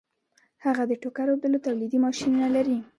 هغه د ټوکر اوبدلو تولیدي ماشینونه لري